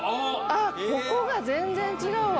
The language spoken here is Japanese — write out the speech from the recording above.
あっここが全然違うわ。